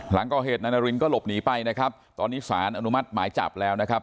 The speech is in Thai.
หลังก่อเหตุนายนารินก็หลบหนีไปนะครับตอนนี้สารอนุมัติหมายจับแล้วนะครับ